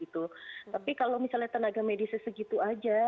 tapi kalau misalnya tenaga medisnya segitu saja